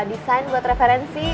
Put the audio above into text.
kita desain buat referensi